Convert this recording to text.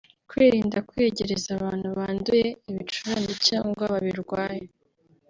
Kwirinda kwiyegereza abantu banduye ibicurane cyangwa babirwaye